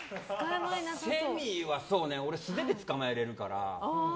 セミは素手で捕まえられるから。